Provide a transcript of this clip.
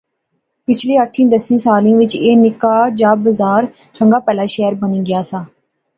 پچھلے آٹھِیں دسیں سالیں وچ ایہہ نکا جا بزار چنگا پہلا شہر بنی گیا سا